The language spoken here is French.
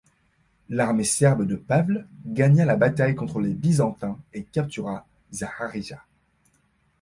L’armée serbe de Pavle gagna la bataille contre les Byzantins et captura Zaharija.